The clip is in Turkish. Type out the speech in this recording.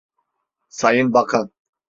Sayın Bakan.